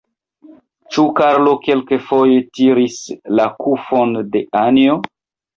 Ĉu Karlo kelkafoje tiris la kufon de Anjo?